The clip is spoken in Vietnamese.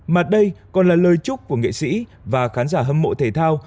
mà đây còn là lời chúc của nghệ sĩ và khán giả hâm mộ thể thao